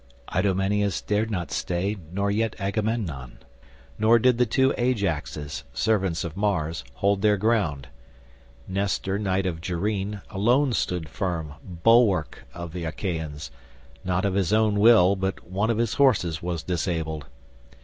Idomeneus dared not stay nor yet Agamemnon, nor did the two Ajaxes, servants of Mars, hold their ground. Nestor knight of Gerene alone stood firm, bulwark of the Achaeans, not of his own will, but one of his horses was disabled.